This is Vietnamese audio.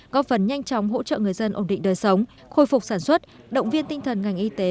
góp phần nhanh chóng hỗ trợ người dân ổn định đời sống khôi phục sản xuất động viên tinh thần ngành y tế